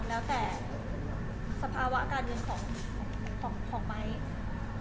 แล้วแต่สภาวะการเงินของของไม้